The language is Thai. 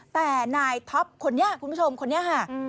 แต่นายท็อปคนนี้คุณผู้ชมคนนี้ค่ะ